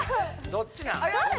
どっちなん？